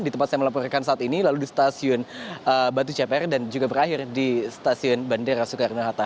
di tempat saya melaporkan saat ini lalu di stasiun batu ceper dan juga berakhir di stasiun bandara soekarno hatta